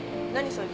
それ。